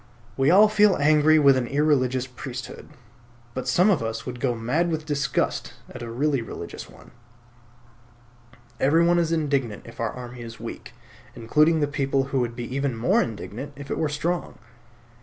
We all feel angry with an irreligious priesthood; but some of us would go mad with disgust at a really religious one. Everyone is indignant if our army is weak, including the people who would be even more indignant if it were strong.